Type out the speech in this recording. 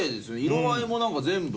色合いもなんか全部。